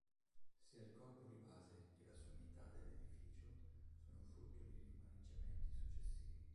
Sia il corpo di base che la sommità dell'edificio sono frutto di rimaneggiamenti successivi.